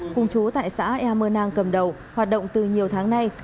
cùng chú tại xã ea mơ nang cầm đầu hoạt động từ nhiều tháng nay